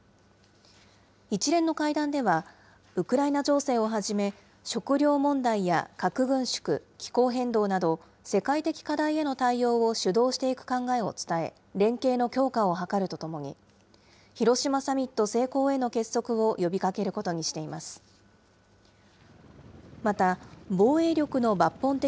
一連の会談では、ウクライナ情勢をはじめ、食料問題や核軍縮、気候変動など、世界的課題への対応を主導していく考えを伝え、連携の強化を図るとともに、広島サミット成功への結束を呼びかけることにしています。